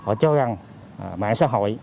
họ cho rằng mạng xã hội